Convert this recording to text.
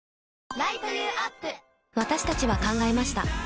私たちは考えました